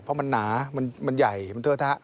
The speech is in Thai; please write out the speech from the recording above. เพราะมันหนามันใหญ่มันเทิดทะ